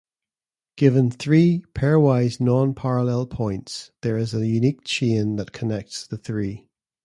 Given three pair-wise non-parallel points, there is a unique chain that connects the three.